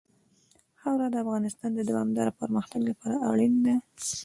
خاوره د افغانستان د دوامداره پرمختګ لپاره اړین دي.